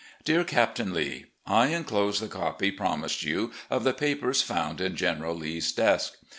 "Dear Capt. Lee: I inclose the copy promised you of the papers found in General Lee's desk.